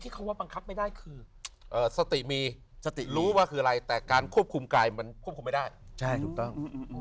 ใช่ถูกต้อง